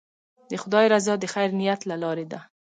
د خدای رضا د خیر نیت له لارې ده.